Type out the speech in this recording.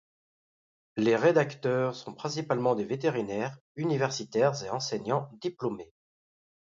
Les rédacteurs sont principalement des vétérinaires, universitaires et enseignants diplômés.